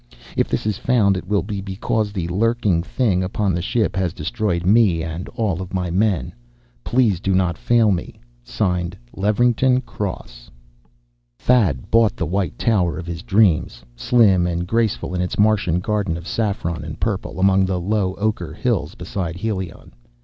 "If this is found, it will be because the lurking thing upon the ship has destroyed me and all my men. "Please do not fail me. Levington Cross." Thad bought the white tower of his dreams, slim and graceful in its Martian garden of saffron and purple, among the low ocher hills beside Helion.